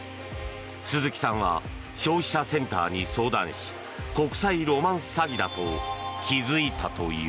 鈴木さんは消費者センターに相談し国際ロマンス詐欺だと気付いたという。